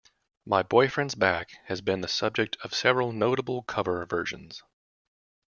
"My Boyfriend's Back" has been the subject of several notable cover versions.